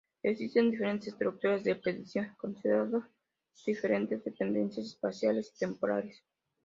Existen diferentes estructuras de predicción considerando diferentes dependencias espaciales y temporales.